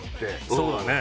そうだね。